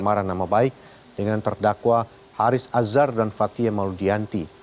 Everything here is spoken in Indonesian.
luhut binsar panjaitan dengan terdakwa haris azhar dan fathia maulidiyanti